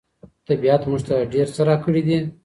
طبيعت موږ ته ډېر څه راکړي دي.